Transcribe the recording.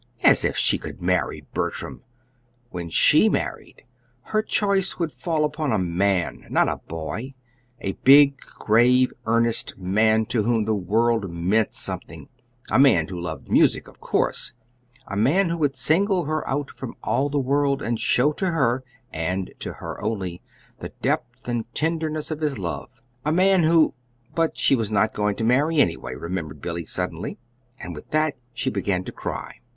As if she could marry Bertram! When she married, her choice would fall upon a man, not a boy; a big, grave, earnest man to whom the world meant something; a man who loved music, of course; a man who would single her out from all the world, and show to her, and to her only, the depth and tenderness of his love; a man who but she was not going to marry, anyway, remembered Billy, suddenly. And with that she began to cry.